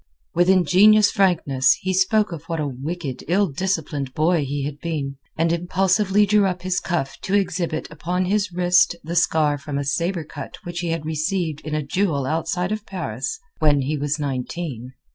With ingenuous frankness he spoke of what a wicked, ill disciplined boy he had been, and impulsively drew up his cuff to exhibit upon his wrist the scar from a saber cut which he had received in a duel outside of Paris when he was nineteen.